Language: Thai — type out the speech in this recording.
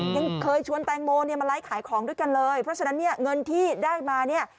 ยังเคยชวนแตงโมเนี่ยมาไลฟ์ขายของด้วยกันเลยเพราะฉะนั้นเนี่ยเงินที่ได้มาเนี่ย